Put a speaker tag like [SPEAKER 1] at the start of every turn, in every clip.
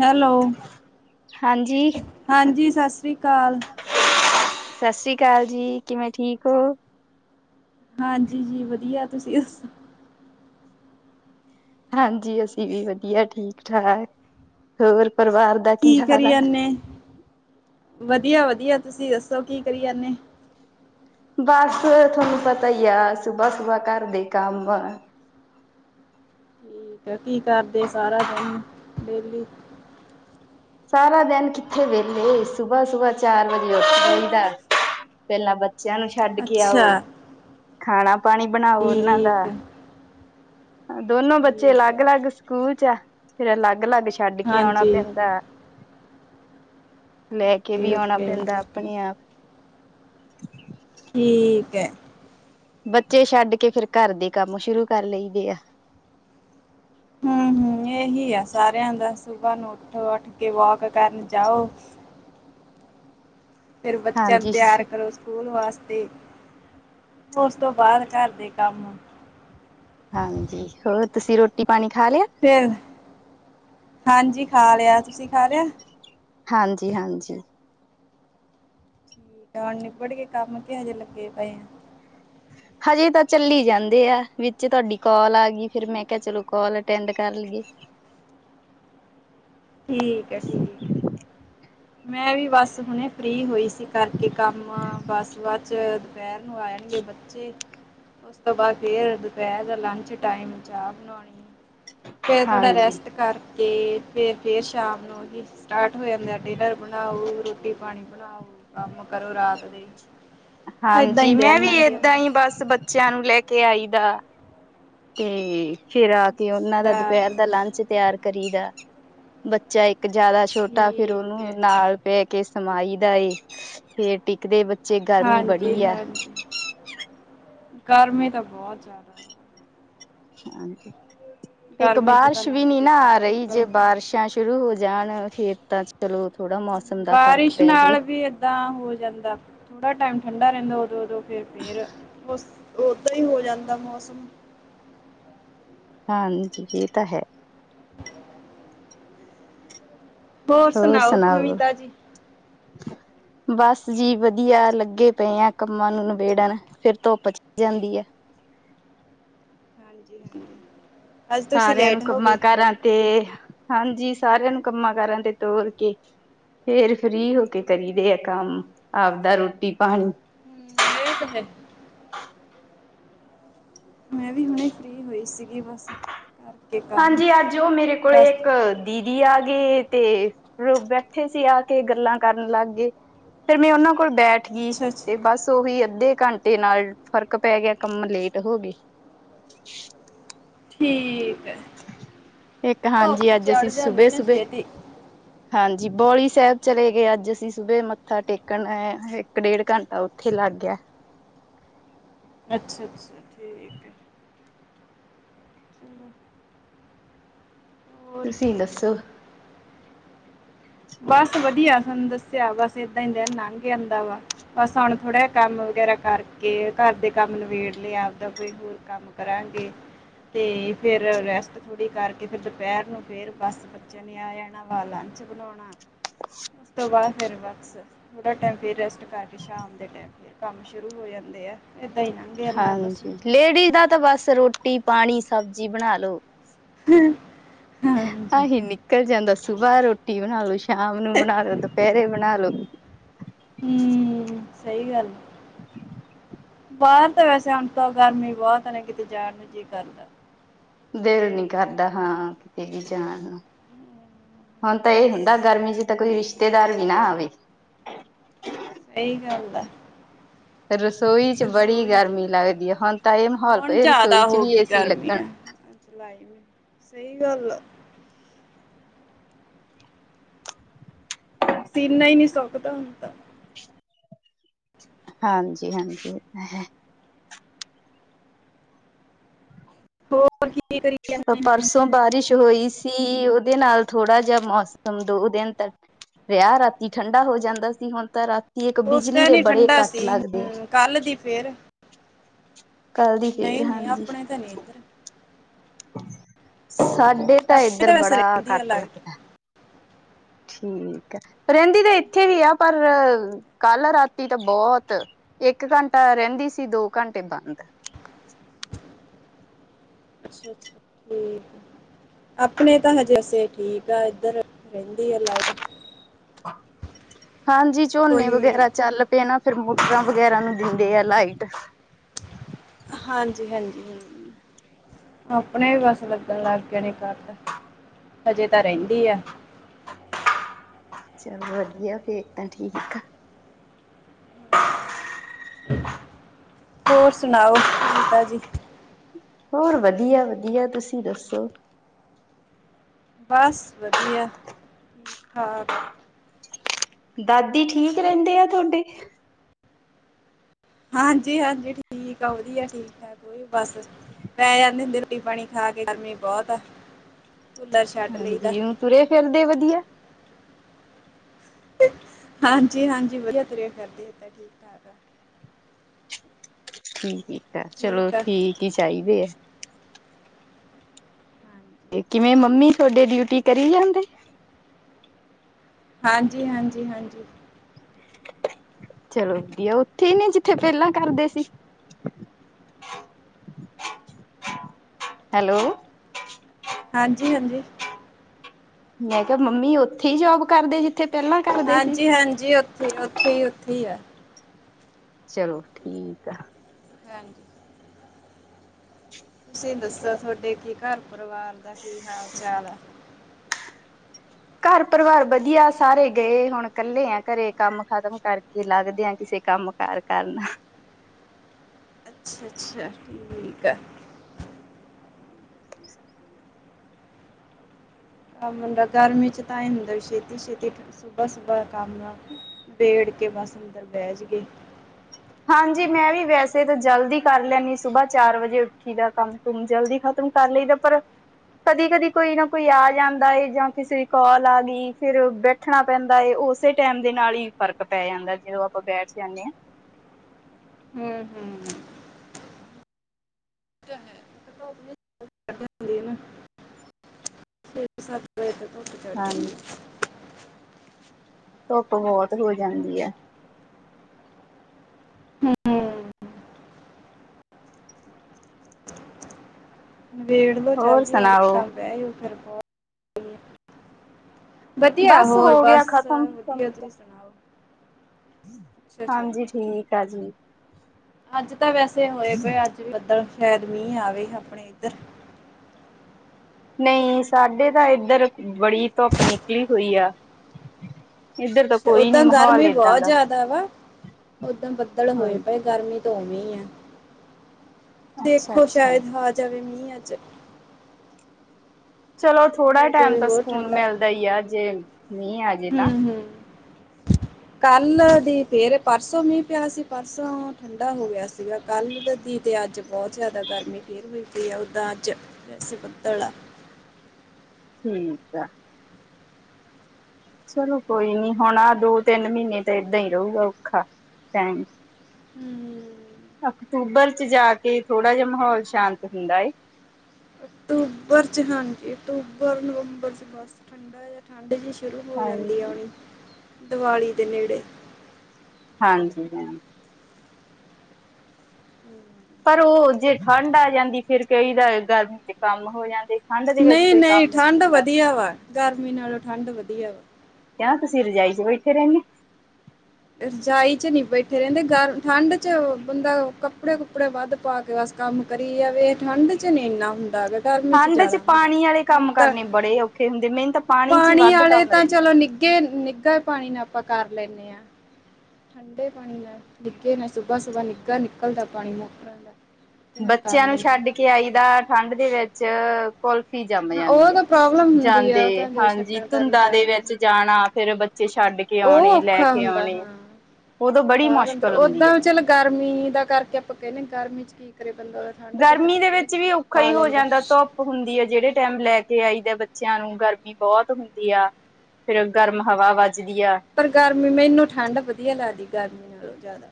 [SPEAKER 1] Hello,
[SPEAKER 2] ਹਾਂਜੀ,
[SPEAKER 1] ਹਾਂਜੀ ਸਾਸਰੀ ਕਾਲ।
[SPEAKER 2] ਸਾਸਰੀ ਕਾਲ ਜੀ, ਕਿਵੇ ਠੀਕ ਹੋ?
[SPEAKER 1] ਹਾਂਜੀ ਜੀ, ਵਦੀਆ ਤੁਸੀ ਦੱਸੋ?
[SPEAKER 2] ਹਾਂਜੀ ਅਸੀਂ ਵੀ ਵਦੀਆ, ਠੀਕ-ਠਾਕ, ਹੋਰ ਪਰਿਵਾਰ ਦਾ
[SPEAKER 1] ਕੀ
[SPEAKER 2] ਹਾਲ
[SPEAKER 1] ਕਰੀ
[SPEAKER 2] ਆ?
[SPEAKER 1] ਜਾਨੇ, ਵਦੀਆ ਵਦੀਆ, ਤੁਸੀਂ ਦੱਸੋ ਕੀ ਕਰੀ ਜਾਨੇ?
[SPEAKER 2] ਬੱਸ ਥੋਨੂੰ ਪਤਾ ਹੀ ਆ ਸੁਬਾ, ਸੁਬਾ ਘਰ ਦੇ ਕੰਮ।
[SPEAKER 1] ਠੀਕ ਕੀ ਕਰਦੇ ਸਾਰਾ ਦਿਨ, ਵਿਹਲੀ?
[SPEAKER 2] ਸਾਰਾ ਦਿਨ ਕਿੱਥੇ ਵੇਲੇ ਸੁਬਾ-ਸੁਬਾ ਚਾਰ ਵਜੇ ਉੱਠ ਜਾਈਦਾ। ਪਹਿਲਾ ਬੱਚਿਆਂ ਨੂੰ ਛੱਡ ਕੇ
[SPEAKER 1] ਅੱਛਾ
[SPEAKER 2] ਆਓ, ਖਾਣਾ-ਪਾਣੀ ਬਣਾਓ ਉਹਨਾਂ ਦਾ।
[SPEAKER 1] ਠੀਕ ਹੈ
[SPEAKER 2] ਦੋਨੋ ਬੱਚੇ
[SPEAKER 1] ਠੀਕ ਹੈ
[SPEAKER 2] ਅਲੱਗ-ਅਲੱਗ ਸਕੂਲ 'ਚ ਆ, ਫੇਰ ਅਲੱਗ-ਅਲੱਗ ਛੱਡ ਕੇ ਆਣਾ
[SPEAKER 1] ਹਾਂਜੀ
[SPEAKER 2] ਪੈਂਦਾ। ਲੈ ਕੇ ਵੀ
[SPEAKER 1] ਓਕੇ
[SPEAKER 2] ਆਉਣਾ
[SPEAKER 1] ਓਕੇ
[SPEAKER 2] ਪੈਂਦਾ ਅਪਣੇ-ਆਪ।
[SPEAKER 1] ਠੀਕ ਐ।
[SPEAKER 2] ਬੱਚੇ ਛੱਡ ਕੇ ਫੇਰ ਘਰ ਦੇ ਕੰਮ ਸ਼ੁਰੂ ਕਰ ਲਈਦੇ ਆ।
[SPEAKER 1] ਹੂੰ-ਹੂੰ, ਏਹੀ ਆ ਸਾਰਿਆ ਦਾ ਸੁਬਾ ਨੂੰ ਉਠੋ ਉੱਠ ਕੇ ਵੋਕ ਕਰਨ ਜਾਓ ਫਿਰ ਬੱਚਿਆਂ ਨੂੰ
[SPEAKER 2] ਹਾਂਜੀ
[SPEAKER 1] ਤਿਅਰ ਕਰੋ ਸਕੂਲ ਵਾਸਤੇ। ਉਸ ਤੋ ਬਾਅਦ ਘਰ ਦੇ ਕੰਮ
[SPEAKER 2] ਹਾਂਜੀ, ਹੋਰ ਤੁਸੀਂ ਰੋਟੀ-ਪਾਣੀ ਖਾ ਲਿਆ?
[SPEAKER 1] ਫੇਰ, ਹਾਂਜੀ ਖਾ ਲਿਆ, ਤੁਸੀ ਖਾ ਲਿਆ?
[SPEAKER 2] ਹਾਂਜੀ-ਹਾਂਜੀ।
[SPEAKER 1] ਹੁਨ ਨਿਬੜ ਕੇ ਕੰਮ ਕਿ ਹਜੇ ਲੱਗੇ ਪਏ ਆ?
[SPEAKER 2] ਹਜੇ ਤਾ ਚੱਲੀ ਜਾਂਦੇ ਆ, ਵਿੱਚ ਤੁਆਡੀ ਕੋਲ ਆ ਗਈ ਫੇਰ ਮੈ ਕਿਹਾ ਚਲੋ ਕੋਲ ਅਟੈਂਡ ਕਰ ਲੀਏ।
[SPEAKER 1] ਠੀਕ ਐ ਠੀਕ ਐ, ਮੈਂ ਵੀ ਬਸ ਹੁਣੇ ਫ੍ਰੀ ਹੋਈ ਸੀ। ਕਰਕੇ ਕੰਮ, ਬੱਸ ਬਾਦ ਚ ਦੁਪੈਰ ਨੂੰ ਆ ਜਾਣਗੇ ਬੱਚੇ। ਓਸ ਤੋ ਬਾਦ ਫੇਰ ਦੁਪੈਰ ਦਾ ਲੰਚ ਟਾਈਮ, ਚਾਹ ਬਣਾਉਣੀ ਫੇਰ ਥੋੜਾ
[SPEAKER 2] ਹਾਂਜੀ
[SPEAKER 1] ਰੈਸਟ ਕਰਕੇ, ਫੇਰ-ਫੇਰ ਸ਼ਾਮ ਨੂੰ ਓਹੀ ਸਟਾਰਟ ਹੋ ਜਾਂਦਾ ਆ ਡਿਨਰ ਬਣਾਓ, ਰੋਟੀ-ਪਾਣੀ ਬਣਾਓ, ਕੰਮ ਕਰੋ ਰਾਤ ਦੇ। ਏਦਾਂ
[SPEAKER 2] ਹਾਂਜੀ,
[SPEAKER 1] ਹੀ
[SPEAKER 2] ਮੈਂ
[SPEAKER 1] ਦਿਨ
[SPEAKER 2] ਵੀ
[SPEAKER 1] ਲੰਘ
[SPEAKER 2] ਏਦਾਂ
[SPEAKER 1] ਜਾਂਦਾ
[SPEAKER 2] ਹੀ ਬਸ ਬੱਚਿਆਂ ਨੂੰ ਲੈ ਕੇ ਆਈ ਦਾ। ਤੇ ਫੇਰ ਆ ਕੇ ਓਨਾਂ ਦਾ
[SPEAKER 1] ਅੱਛਾ
[SPEAKER 2] ਦੁਪੈਰ ਦਾ ਲੰਚ ਤਿਆਰ ਕਰੀਦਾ। ਬੱਚਾ ਇੱਕ ਜਾਦਾ ਛੋਟਾ ਫੇਰ ਓਨੂੰ
[SPEAKER 1] ਠੀਕ ਹੈ
[SPEAKER 2] ਨਾਲ ਪੇ ਕੇ ਸਮਾਈ ਦਾ ਏ, ਫੇਰ ਟਿਕਦੇ ਬੱਚੇ ਗਰਮੀ
[SPEAKER 1] ਹਾਂਜੀ
[SPEAKER 2] ਬੜੀ ਆ।
[SPEAKER 1] ਹਾਂਜੀ ਗਰਮੀ ਤਾਂ ਬੋਤ ਜਾਦਾ
[SPEAKER 2] ਹਾਜੀ, ਇੱਕ
[SPEAKER 1] ਗਰਮੀ 'ਚ ਤਾਂ
[SPEAKER 2] ਬਾਰਿਸ਼ ਵੀ ਨੀ
[SPEAKER 1] ਕਿਤੇ
[SPEAKER 2] ਨਾ ਆ
[SPEAKER 1] ਬਾਹਰ
[SPEAKER 2] ਰਹੀ
[SPEAKER 1] ਨਿਕਲ
[SPEAKER 2] ਜੇ ਬਾਰਿਸ਼ਾਂ ਸ਼ੁਰੂ ਹੋ ਜਾਣ ਫੇਰ ਤਾਂ ਚਲੋ ਥੋੜਾ ਮੌਸਮ ਦਾ ਫ਼ਰਕ
[SPEAKER 1] ਬਾਰਿਸ਼
[SPEAKER 2] ਪੈ ਜੇ
[SPEAKER 1] ਨਾਲ ਵੀ ਏਦਾਂ ਹੋ ਜਾਂਦਾ, ਥੋੜਾ ਟਾਈਮ ਠੰਡਾ ਰੈਂਦਾ ਓਦੋਂ-ਓਦੋ ਫੇਰ-ਫੇਰ ਓਦਾਂ ਹੀ ਹੋ ਜਾਂਦਾ ਮੌਸਮ।
[SPEAKER 2] ਹਾਂਜੀ, ਇਹ ਤਾਂ ਹੈ।
[SPEAKER 1] ਹੋਰ ਸੁਣਾਓ ਨਵੀ ਤਾਜੀ?
[SPEAKER 2] ਬਸ ਜੀ ਵਦੀਆ ਲੱਗੇ ਪਏ ਆ ਕੰਮਾਂ ਨੂੰ ਨਬੇੜਨ, ਫੇਰ ਧੋਪ ਚਣ ਜਾਂਦੀ ਆ।
[SPEAKER 1] ਹਾਂਜੀ-ਹਾਂਜੀ।
[SPEAKER 2] ਸਾਰੇਆਂ ਨੂੰ ਕੰਮਾਂ ਕਾਰਾਂ ਤੇ, ਹਾਂਜੀ ਸਾਰੇਆਂ ਨੂੰ ਕੰਮਾਂ ਕਾਰਾਂ ਤੇ ਤੋਰ ਕੇ ਫੇਰ ਫ੍ਰਰੀ ਹੋ ਕੇ ਕਰੀਦੇ ਆ ਕੰਮ ਆਪਦਾ ਰੋਟੀ-ਪਾਣੀ।
[SPEAKER 1] ਹੂੰ ਇਹ ਤੇ ਹੈ। ਮੈ ਵੀ ਹੁਣੇ ਫਰੀ ਹੋਈ ਸੀਗੀ ਬਸ ਕਰ
[SPEAKER 2] ਹਾਂਜੀ, ਅੱਜ ਉਹ ਮੇਰੇ ਕੋਲ ਇੱਕ ਦੀਦੀ ਆ ਗਏ ਤੇ ਫਿਰ ਬੈਠੇ ਸੀ ਆ ਕੇ ਗੱਲਾਂ ਕਰਨ ਲੱਗ ਗਏ। ਫਿਰ ਮੈ ਉਹਨਾਂ ਕੋਲ ਬੈਠ ਗਈ
[SPEAKER 1] ਅੱਛਾ
[SPEAKER 2] ਤੇ
[SPEAKER 1] ਅੱਛਾ
[SPEAKER 2] ਬੱਸ। ਉਹੀ ਅੱਧੇ ਘੰਟੇ ਨਾਲ ਫਰਕ ਪੈ ਗਿਆ ਕੰਮ ਲੇਟ ਹੋ ਗਈ।
[SPEAKER 1] ਠੀਕ ਹੈ।
[SPEAKER 2] ਇੱਕ ਹਾਂਜੀ,
[SPEAKER 1] ਧੁੱਪ
[SPEAKER 2] ਅੱਜ
[SPEAKER 1] ਚੜ
[SPEAKER 2] ਅਸੀ
[SPEAKER 1] ਜਾਂਦੀ ਨਾ
[SPEAKER 2] ਸੂਬੇ-ਸੂਬੇ
[SPEAKER 1] ਛੇਤੀ
[SPEAKER 2] ਹਾਂਜੀ, ਬੋਲੀ ਸਾਹਿਬ ਚਲੇ ਗਏ ਅੱਜ ਅਸੀ ਸੂਬੇ ਮੱਥਾ ਟੇਕਣ ਆ ਇੱਕ-ਡੇਢ ਘੰਟਾ ਉੱਥੇ ਲੱਗ ਗਿਆ।
[SPEAKER 1] ਅੱਛਾ-ਅੱਛਾ, ਠੀਕ ਹੈ ਚਲੋ। ਹੋਰ
[SPEAKER 2] ਤੁਸੀ ਦੱਸੋ।
[SPEAKER 1] ਬੱਸ ਵਧੀਆ ਸਾਨੂੰ ਦੱਸਿਆ ਬੱਸ ਏਦਾਂ ਦਿਨ ਲੰਘ ਜਾਂਦਾ ਵਾ। ਬੱਸ ਹੁਣ ਥੋੜਾ ਕੰਮ ਵਗੈਰਾ ਕਰਕੇ ਘਰ ਦੇ ਕੰਮ ਨਿਬੇੜ ਲਿਆ ਆਪਦਾ ਕੋਈ ਹੋਰ ਕੰਮ ਕਰਾਗੇ ਤੇ ਫਿਰ ਰੈਸਟ ਥੋੜ੍ਹੀ ਕਰਕੇ ਫਿਰ ਦੁਪਹਿਰ ਨੂੰ ਫਿਰ ਬੱਸ ਬਚਿਆ ਨੇ ਆ ਜਾਣਾ ਵਾ ਲੰਚ ਬਣਾਉਣਾ ਉਸ ਤੋ ਬਾਅਦ ਫਿਰ ਬੱਸ ਥੋੜ੍ਹਾ ਟਾਈਮ ਫਿਰ ਰੈਸਟ ਕਰਕੇ ਸ਼ਾਮ ਦੇ ਟਾਇਮ ਫਿਰ ਕੰਮ ਸ਼ੁਰੂ ਹੋ ਜਾਂਦੇ ਆ। ਏਦਾਂ ਹੀ ਲਘ ਜਾਂਦਾ ਬੱਸ।
[SPEAKER 2] ਹਾਂਜੀ ਲੇਡੀਜ਼ ਦਾ ਤਾਂ ਬੱਸ ਰੋਟੀ-ਪਾਣੀ ਸਬਜ਼ੀ ਬਣਾ ਲੋ।
[SPEAKER 1] ਹੂੰ।
[SPEAKER 2] ਇਹੀ ਨਿਕਲ ਜਾਂਦਾ ਸੁਬਾਹ ਰੋਟੀ ਬਣਾਲੋ, ਸ਼ਾਮ ਨੂੰ ਬਣਾਲੋ, ਦੁਪਹਿਰੇ ਬਣਾਲੋ।
[SPEAKER 1] ਹੂੰ ਸਹੀ ਗੱਲ ਏ।
[SPEAKER 2] [unintelligible]
[SPEAKER 1] ਬਾਹਰ ਤਾਂ ਵੈਸੇ ਹੁਣ ਤਾਂ ਗਰਮੀ ਬਹੁਤ ਨੇ ਕਿਤੇ ਜਾਣ ਨੂੰ ਜੀ ਕਰਦਾ।
[SPEAKER 2] ਦਿਲ ਨੀ ਕਰਦਾ ਹਾਂ ਕਿਤੇ ਵੀ ਜਾਣਨੂੰ। ਹੁਣ ਤਾਂ ਇਹ ਹੁੰਦਾ ਗਰਮੀ ਚ ਤਾਂ ਕੋਈ ਰਿਸ਼ਤੇਦਾਰ ਵੀ ਨਾ ਆਵੇ।
[SPEAKER 1] ਸਹੀ ਗੱਲ ਆ।
[SPEAKER 2] ਰਸੋਈ ਚ ਬੜੀ
[SPEAKER 1] ਰਸੋਈ ਚ
[SPEAKER 2] ਗਰਮੀ ਲੱਗਦੀ ਐ ਹੁਣ ਤਾਂ ਏ ਮਾਹੌਲ
[SPEAKER 1] ਹੁਣ
[SPEAKER 2] ਪਏ ਰਸੋਈ ਚ ਵੀ ਏਸੀ ਲੱਗਾ।
[SPEAKER 1] ਚਲਾਈ ਨੀ ਸਹੀ ਗੱਲ ਆ। ਪਸੀਨਾ ਈ ਨੀ ਸੁਕਦਾ ਹੁੰਦਾ।
[SPEAKER 2] ਹਾਂਜੀ-ਹਾਂਜੀ ਏ ਤਾਂ ਹੈ।
[SPEAKER 1] ਹੋਰ ਕੀ ਕਰੀ ਜਾਣੀ ਐ।
[SPEAKER 2] ਸੋਂ ਬਾਰਿਸ਼ ਹੋਈ ਸੀ ਓਦੇ ਨਾਲ ਥੋੜਾ ਜਿਆ ਮੌਸਮ ਦੋ-ਦਿਨ ਤੱਕ ਰਿਆ ਰਾਤੀ ਠੰਡਾ ਹੋ ਜਾਂਦਾ ਸੀ ਹੁਣ ਤਾਂ ਰਾਤੀ ਇੱਕ
[SPEAKER 1] ਉਸ
[SPEAKER 2] ਬਿਜਲੀ
[SPEAKER 1] ਟਾਈਮ
[SPEAKER 2] ਦੇ
[SPEAKER 1] ਹੀ
[SPEAKER 2] ਬੜੇ
[SPEAKER 1] ਠੰਡਾ
[SPEAKER 2] ਕੱਟ
[SPEAKER 1] ਸੀ
[SPEAKER 2] ਲੱਗਦੇਆ।
[SPEAKER 1] ਹਮ ਕੱਲ ਦੀ ਫੇਰ
[SPEAKER 2] ਕੱਲ ਦੀ ਫੇਰ ਹਾਂਜੀ।
[SPEAKER 1] ਤਾ ਨੀ ਏਧਰ।
[SPEAKER 2] ਸਾਡੇ ਤਾਂ
[SPEAKER 1] ਆਪਣੇ
[SPEAKER 2] ਏਧਰ
[SPEAKER 1] ਵੈਸੇ
[SPEAKER 2] ਬੜਾ
[SPEAKER 1] ਰਹਿੰਦੀ ਆ
[SPEAKER 2] ਕੱਟ
[SPEAKER 1] ਲਾਈਟ
[SPEAKER 2] ਲੱਗਦਾ। ਠੀਕ ਆ ਰੈਹਦੀ ਤਾਂ ਏਥੇ
[SPEAKER 1] ਅੱਛਾ
[SPEAKER 2] ਹੀਆ
[SPEAKER 1] ਅੱਛਾ
[SPEAKER 2] ਪਰ
[SPEAKER 1] ਅੱਛਾ
[SPEAKER 2] ਕੱਲ੍ਹ ਰਾਤੀ ਤਾਂ ਬੋਤ ਇੱਕ ਘੰਟਾ ਰੈਂਦੀ ਸੀ। ਦੋ ਘੰਟੇ ਬੰਦ
[SPEAKER 1] ਅੱਛਾ-ਅੱਛਾ ਠੀਕ ਹੈ। ਆਪਣੇ ਤਾਂ ਹਜੇ ਅਸੀ ਠੀਕ ਆ ਏਧਰ ਰੈਂਦੀ ਆ ਲਾਈਟ
[SPEAKER 2] ਹਾਂਜੀ ਝੋਨੇ
[SPEAKER 1] ਕੋਈ
[SPEAKER 2] ਵਗੈਰਾ ਚੱਲ ਤੇ ਨਾ ਫਿਰ ਮੋਟਰਾਂ ਵਗੈਰਾ ਨੂੰ ਦਿੰਦੇ ਆ ਲਾਈਟ।
[SPEAKER 1] ਹਾਂਜੀ, ਹਾਂਜੀ, ਹੂੰ। ਆਪਣੇ ਵੀ ਬੱਸ ਲੱਗਣ ਲੱਗ ਗਏ ਨੇ ਕੱਟ ਹਜੇ ਤਾਂ ਰੈਂਦੀ ਆ।
[SPEAKER 2] ਚੱਲ ਵਧੀਆ ਫੇਰ ਤਾਂ ਠੀਕ ਆ। [inaudible]
[SPEAKER 1] ਹੋਰ ਸੁਣਾੳ? ਨਵੀ ਤਾਜੀ
[SPEAKER 2] ਹੋਰ ਵਧੀਆ- ਵਧੀਆ ਤੁਸੀਂ ਦੱਸੋ?
[SPEAKER 1] ਬਸ ਵਧੀਆ। ਠੀਕ-ਠਾਕ।
[SPEAKER 2] ਦਾਦੀ ਠੀਕ ਰੈਦੇਂ ਆ ਥੋਡੇ?
[SPEAKER 1] ਹਾਂਜੀ- ਹਾਂਜੀ ਠੀਕ ਆ ਵਧੀਆ, ਠੀਕ -ਠਾਕ। ਓਬਸ ਪੈ ਜਾਂਦੀ ਹੁੰਦੀ ਰੋਟੀ -ਪਾਣੀ ਖਾ ਕੇ ਗਰਮੀ ਬੋਤ ਆ। ਕੂਲਰ ਛੱਡ ਲਈਦਾ
[SPEAKER 2] ਹਾਂਜੀ, ਹਾ ਤੁਰੇ ਫਿਰਦੇ ਆ ਵਧੀਆ।
[SPEAKER 1] ਹਾਂਜੀ- ਹਾਂਜੀ ਵਧੀਆ ਤੁਰੇ ਫਿਰਦੇ ਆ ਓਦਾ ਠੀਕ- ਠਾਕ ਆ।
[SPEAKER 2] ਠੀਕ ਆ। ਚਲੋ ਠੀਕ ਈ ਚਾਈਦੇ ਆ। ਤੇ ਕਿਵੇਂ ਮੰਮੀ ਥੋਡੇ ਡਿਊਟੀ ਕਰੀ ਜਾਂਦੇ?
[SPEAKER 1] ਹਾਂਜੀ, ਹਾਂਜੀ, ਹਾਂਜੀ।
[SPEAKER 2] ਚਲੋ ਵਧੀਆ। ਉੱਥੇ ਈ ਨੇ ਜਿੱਥੇ ਪੈਲਾਂ ਕਰਦੇ ਸੀ? ਹੈਲੋ।
[SPEAKER 1] ਹਾਂਜੀ-ਹਾਂਜੀ।
[SPEAKER 2] ਮੈਂ ਕਿਆ ਮੰਮੀ ਉੱਥੇ ਹੀ ਜੋਬ ਕਰਦੇ ਜਿੱਥੇ ਪੈਲਾਂ
[SPEAKER 1] ਹਾਂਜੀ-ਹਾਂਜੀ, ਉੱਥੇ-ਉੱਥੇ ਈ ਉੱਥੇ ਈ ਆ।
[SPEAKER 2] ਚਲੋ, ਠੀਕ ਆ।
[SPEAKER 1] ਹਾਂਜੀ। ਤੁਸੀਂ ਦੱਸੋ, ਥੋਡੇ ਕੀ ਘਰ-ਪਰਿਵਾਰ ਦਾ ਕੀ ਹਾਲ- ਚਾਲ ਆ।
[SPEAKER 2] ਘਰ-ਪਰਿਵਾਰ ਵਧੀਆ ਸਾਰੇ ਗਏ ਹੁਣ ਕੱਲੇ ਆ ਘਰੇ ਕੰਮ ਖਤਮ ਕਰਕੇ ਲੱਗਦੇ ਆ ਕਿਸੇ ਕੰਮਕਾਰ ਕਰਨ।
[SPEAKER 1] ਅੱਛਾ-ਅੱਛਾ ਠੀਕ ਆ। ਕੰ ਮਤਲਬ ਗਰਮੀ 'ਚ ਤਾਂ ਆਏ ਹੁੰਦਾ ਵੀ ਛੇਤੀ-ਛੇਤੀ ਸੁਬਹ-ਸੁਬਹ ਦਾ ਕੰਮ। ਵੇੜ ਕੇ ਬਸ ਅੰਦਰ ਬਹਿਜ ਗਏ।
[SPEAKER 2] ਹਾਂਜੀ, ਮੈਂ ਵੀ ਵੈਸੇ ਤਾਂ ਜਲਦੀ ਹੀ ਕਰ ਲੈਂਦੀ ਸੁਬਾਹ ਚਾਰ ਵਜੇ ਉੱਠੀ ਦਾ, ਕੰਮ ਕੰਮ ਜਲਦੀ ਖ਼ਤਮ ਕਰ ਲਈਦਾ, ਪਰ ਕਦੀ- ਕਦੀ ਕੋਈ ਨਾ ਕੋਈ ਆ ਜਾਂਦਾ ਜਾਂ ਕਿਸੇ ਦੀ ਕੋਾਲ ਆ ਗਈ, ਫੇਰ ਬੈਠ ਉੱਠਣਾ ਪੈਂਦਾ ਹੈ, ਉਸੇ ਟੈਮ ਦੇ ਨਾਲ ਹੀ ਫ਼ਰਕ ਪੈ ਜਾਂਦਾ ਜਦੋਂ ਆਪਾਂ ਬੈਠ ਜਾਂਦੇ ਹਾਂ।
[SPEAKER 1] ਹਮ- ਹਮ। ਅਤੇ ਸਾ
[SPEAKER 2] ਹਾਂ। ਧੁੱਪ ਬਹੁਤ ਹੋ ਜਾਂਦੀ ਹੈ।
[SPEAKER 1] ਹੂੰ ਨਿਬੇੜ ਲਓ
[SPEAKER 2] ਹੋਰ
[SPEAKER 1] ਜਲਦੀ ਅ,
[SPEAKER 2] ਸੁਣਾਓ
[SPEAKER 1] ਤਾਂ ਬਹਿਓ ਫਿਰ ਬ ਵਧੀਆ
[SPEAKER 2] ਬਸ
[SPEAKER 1] ਹੋਰ
[SPEAKER 2] ਹੋ ਗਿਆ
[SPEAKER 1] ਬਸ
[SPEAKER 2] ਖਤਮ
[SPEAKER 1] ਵਧੀਆ,
[SPEAKER 2] ਤੁਹਾਨੂੰ ਤਾਂ
[SPEAKER 1] ਤੁਸੀ ਸੁਣਾਓ? ਅੱਛਾ ਅੱਛਾ
[SPEAKER 2] ਹਾਂਜੀ, ਠੀਕ ਆ ਜੀ।
[SPEAKER 1] ਅੱਜ ਤਾਂ ਵੈਸੇ ਹੋਏ ਪ ਅੱਜ ਬਦਲ, ਸ਼ਾਇਦ ਮੀਂਹ ਆਵੇ ਆਪਣੇ ਇੱਧਰ।
[SPEAKER 2] ਨਹੀਂ, ਸਾਡੇ ਤਾਂ ਇਏਧਰ ਬੜੀ ਧੁੱਪ ਨਿਕਲੀ ਹੋਈ ਆ। ਇੱਧਰ ਤਾਂ
[SPEAKER 1] ਅੱਛਾ,
[SPEAKER 2] ਕੋਈ ਨੀ
[SPEAKER 1] ਓਦਾਂ
[SPEAKER 2] ਮਾਹੌਲ
[SPEAKER 1] ਗਰਮੀ
[SPEAKER 2] ਏਦਾਂ
[SPEAKER 1] ਬਹੁਤ
[SPEAKER 2] ਦਾ
[SPEAKER 1] ਜਿਆਦਾ ਵਾ, ਓਦਾਂ ਬੱਦਲ ਹੋਏ ਪਏ
[SPEAKER 2] ਹਾਂਜੀ
[SPEAKER 1] ਗਰਮੀ ਹੋਣੀ ਆ,
[SPEAKER 2] ਅੱਛਾ
[SPEAKER 1] ਦੇਖੋ
[SPEAKER 2] ਅੱਛਾ
[SPEAKER 1] ਸ਼ਾਇਦ ਆ ਜਾਵੇ ਮੀਂਹ ਅੱਜ।
[SPEAKER 2] ਚਲੋ ਥੋੜ੍ਹਾ
[SPEAKER 1] ਹੋ
[SPEAKER 2] ਟਾਈਮ
[SPEAKER 1] ਜਾਵੇ
[SPEAKER 2] ਤਾਂ
[SPEAKER 1] ਹੋਰ
[SPEAKER 2] ਸਕੂਨ
[SPEAKER 1] ਠੰਡਾ
[SPEAKER 2] ਮਿਲਦਾ ਹੀ ਆ, ਜੇ ਮੀਂਹ ਆਜੇ
[SPEAKER 1] ਹੂੰ
[SPEAKER 2] ਤਾ।
[SPEAKER 1] ਹੂੰ ਕੱਲ ਦੀ ਫੇਰ, ਪਰਸੋਂ ਮੀਂਹ ਪਿਆ ਸੀ ਪਰਸੋਂ ਠੰਡਾ ਹੋ ਗਿਆ ਸੀਗਾ, ਕੱਲ੍ਹ ਦੀ ਤੇ ਅੱਜ ਬਹੁਤ ਜ਼ਿਆਦਾ ਗਰਮੀ ਫੇਰ ਹੋ ਪਈ ਹੈ ਉੱਦਾਂ ਅੱਜ ਵੈਸੇ ਬਦਲ ਆ
[SPEAKER 2] ਠੀਕ ਆ। ਚਲੋ ਕੋਈ ਨੀ, ਹੁਣਾ ਦੋ -ਤਿੰਨ ਮਹੀਨੇ ਤਾਂ ਏਦਾਂ ਹੀ ਰੂਗਾ ਔਖਾ, ਟਾਈਮ
[SPEAKER 1] ਹਮ -ਹ
[SPEAKER 2] ਅਕਤੂਬਰ ਚ' ਜਾ ਕੇ ਥੋੜਾ ਜਿ ਮਾਹੌਲ ਸ਼ਾਂਤ ਹੁੰਦਾ ਏ।
[SPEAKER 1] ਅਕਤੂਬਰ ਚ' ਹਾਂਜੀ, ਅਕਤੂਬਰ, ਨਵੰਬਰ ਚ' ਬਸ ਠੰਡਾ ਆ। ਠੰਡ ਜਿ ਸ਼ੁਰੂ ਹੋ ਜਾਂਦੀ ਆ,
[SPEAKER 2] ਹਾਂਜੀ
[SPEAKER 1] ਆਉਣੀ ਦਿਵਾਲੀ ਦੇ ਨੇੜੇ।
[SPEAKER 2] ਹਾਂਜੀ। ਹਾਂ,
[SPEAKER 1] ਹਮ।
[SPEAKER 2] ਪਰ ਉਹ ਜੇ ਠੰਡ ਆ ਜਾਂਦੀ, ਫਿਰ ਕਈਦਾ ਗਰਮੀ 'ਚ ਕੰਮ ਹੋ ਜਾਂਦੇ। ਠੰਢ ਦੇ ਵਿੱਚ
[SPEAKER 1] ਨਈ,
[SPEAKER 2] ਕੋਈ ਕੰਮ
[SPEAKER 1] ਨਈ
[SPEAKER 2] ਨਹੀਂ
[SPEAKER 1] ਠੰਢ
[SPEAKER 2] ਹੁੰਦਾ
[SPEAKER 1] ਵਧੀਆ ਵਾ, ਗਰਮੀ ਨਾਲੋਂ ਠੰਢ ਵਧੀਆ ਵਾ।
[SPEAKER 2] ਕਿਆ ਤੁਸੀਂ ਰਜਾਈ 'ਚ ਬੈਠੇ ਰਹਿੰਦੇ?
[SPEAKER 1] ਰਜਾਈ 'ਚ ਨਹੀਂ ਬੈਠੇ ਰਹਿੰਦੇ, ਗਰਮ, ਠੰਢ 'ਚ ਬੰਦਾ ਕੱਪੜੇ ਕੁੱਪੜੇ ਵੱਧ ਪਾ ਕੇ ਬਸ ਕੰਮ ਕਰੀ ਜਾਵੇ, ਠੰਡ 'ਚ ਨੀ ਇੰਨਾ ਹੁੰਦਾ, ਮਗਰ
[SPEAKER 2] ਠੰਡ 'ਚ ਪਾਣੀ ਵਾਲੇ ਕੰਮ ਕਰਨੇ ਬੜੇ ਔਖੇ ਹੁੰਦੇ, ਮੇਨੂੰ ਤਾਂ ਚ ਹੀ
[SPEAKER 1] ਪਾਣੀ
[SPEAKER 2] ਵੱਧ
[SPEAKER 1] ਆਲੇ
[SPEAKER 2] ਕੰਮ
[SPEAKER 1] ਤਾਂ ਚਲੋ,
[SPEAKER 2] ਰਹਿੰਦਾ
[SPEAKER 1] ਨਿੱਘੇ -ਨਿੱਘਾ ਪਾਣੀ ਨਾਲ ਆਪਾਂ ਕਰ ਲੈਂਦੇ ਆ। ਠੰਡੇ ਪਾਣੀ ਨਾਲ, ਨਿੱਘੇ ਨਾਲ ਸੁਬਾਹ -ਸੁਬਾਹ ਨਿੱਘਾ ਨਿਕਲਦਾ ਪਾਣੀ ਮੋਟਰ ਦਾ। ਤੇ ਨਾਲ ਕਰ
[SPEAKER 2] ਬੱਚਿਆਂ ਨੂੰ
[SPEAKER 1] ਲਈਦਾ
[SPEAKER 2] ਛੱਡ ਕੇ ਆਈ ਦਾ ਠੰਢ ਦੇ ਵਿੱਚ। ਕੁਲਫੀ ਜੰਮ
[SPEAKER 1] ਹਾਂ ਉਹ
[SPEAKER 2] ਜਾਂਦੀ ਹੈ
[SPEAKER 1] ਤਾਂ ਪ੍ਰੋਬਲਮ ਹੁੰਦੀ ਆ
[SPEAKER 2] ਜਾਂਦੇ,
[SPEAKER 1] ਉਹ ਤਾਂ ਜਦੋਂ
[SPEAKER 2] ਹਾਂਜੀ,
[SPEAKER 1] ਛੱਡਣ ਕਰਨ
[SPEAKER 2] ਧੁੰਦਾਂ ਦੇ
[SPEAKER 1] ਜਾਣਾ
[SPEAKER 2] ਵਿੱਚ ਜਾਣਾ ਫੇਰ ਬੱਚੇ ਛੱਡ ਕੇ
[SPEAKER 1] ਉਹ
[SPEAKER 2] ਆਉਣੇ, ਲੈ
[SPEAKER 1] ਔਖਾ
[SPEAKER 2] ਕੇ
[SPEAKER 1] ਹੁੰਦਾ
[SPEAKER 2] ਆਉਣੇ,
[SPEAKER 1] ਹਾਂ
[SPEAKER 2] ੳਦੋਂ ਬੜੀ
[SPEAKER 1] ਬਾਹਰ ਅੰਦਰ
[SPEAKER 2] ਮੁਸ਼ਕਲ ਹੁੰਦੀ
[SPEAKER 1] ਓਦਾਂ
[SPEAKER 2] ਐ।
[SPEAKER 1] ਵੀ ਚਲ ਗਰਮੀ ਦਾ ਕਰਕੇ, ਆਪਾਂ ਕਹਿੰਦੇ ਗਰਮੀ 'ਚ ਕੀ ਕਰੇ ਬੰਦਾ ਠੰਡ ਚ ਤਾਂ
[SPEAKER 2] ਗਰਮੀ ਦੇ
[SPEAKER 1] ਕੱਪੜੇ
[SPEAKER 2] ਵਿੱਚ ਵੀ ਔਖਾ
[SPEAKER 1] ਪਾ
[SPEAKER 2] ਹੀ ਹੋ
[SPEAKER 1] ਲੈਂਦਾ
[SPEAKER 2] ਜਾਂਦਾ, ਧੁੱਪ ਹੁੰਦੀ ਆ, ਜਿਹੜੇ ਟਾਈਮ ਲੈ ਕੇ ਆਈ ਦਾ ਬੱਚਿਆਂ ਨੂੰ ਗਰਮੀ ਬਹੁਤ ਹੁੰਦੀ ਆ। ਫੇਰ ਗਰਮ ਹਵਾ ਵੱਜਦੀ ਆ।
[SPEAKER 1] ਪਰ ਗਰਮੀ, ਮੈਂਨੂੰ ਠੰਢ ਵਧੀਆ ਲਾਗਦੀ ਗਰਮੀ ਨਾਲੋਂ ਜ਼ਿਆਦਾ।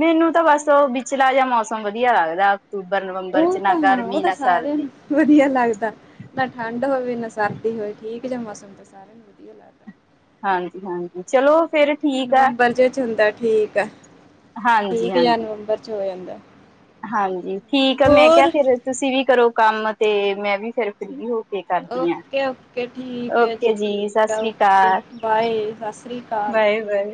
[SPEAKER 2] ਮੈਨੂੰ ਤਾਂ ਬਸ ੳਹ, ਵਿਚਲਾ ਜਿਹਾ ਮੌਸਮ ਵਧੀਆ ਲੱਗਦਾ। ਅਕਟੂਬਰ, ਨਵੰਬਰ ਚ
[SPEAKER 1] ਉਹ
[SPEAKER 2] ਨਾ
[SPEAKER 1] ਤਾਂ ਹਾਂ ਉਹ
[SPEAKER 2] ਗਰਮੀ
[SPEAKER 1] ਤਾਂ
[SPEAKER 2] ਨਾ
[SPEAKER 1] ਸਾਰਿਆਂ
[SPEAKER 2] ਸਰਦੀ।
[SPEAKER 1] ਨੂੰ ਵਧੀਆ ਲੱਗਦਾ ਨਾ ਠੰਡ ਹੋਵੇ ਨਾ ਸਰਦੀ ਹੋਵੇ ਠੀਕ ਜੀ ਮੌਸਮ ਤਾਂ ਸਾਰਿਆਂ ਨੂੰ ਵਧੀਆ ਲੱਗਦਾ।
[SPEAKER 2] ਹਾਂਜੀ ਹਾਂਜੀ ਚਲੋ ਫੇਰ ਠੀਕ ਆ
[SPEAKER 1] ਨਵੰਬਰ ਚ ਹੁੰਦਾ ਠੀਕ ਆ।
[SPEAKER 2] ਹਾਂਜੀ
[SPEAKER 1] ਠੀਕ ਯਾਰ
[SPEAKER 2] ਹਾਂਜੀ
[SPEAKER 1] ਨਵੰਬਰ ਚ ਹੋ ਜਾਂਦਾ।
[SPEAKER 2] ਹਾਂਜੀ ਠੀਕ ਆ। ਮੈਂ ਕਿਹਾ
[SPEAKER 1] ਹੋਰ
[SPEAKER 2] ਫੇਰ ਤੁਸੀਂ ਵੀ ਕਰੋ ਕੰਮ ਤੇ ਮੈਂ ਵੀ ਫਿਰ ਫਰੀ ਹੋ ਕੇ ਕਰਦੀ ਆ।
[SPEAKER 1] ਓਕੇ ਓਕੇ
[SPEAKER 2] ਓਕੇ ਜੀ ਸਤਿ ਸ੍ਰੀ ਅਕਾਲ।
[SPEAKER 1] ਬਾਾਏ। ਸਤਿ ਸ਼੍ਰੀ ਅਕਾਲ।
[SPEAKER 2] Bye bye